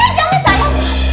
eh jangan sayang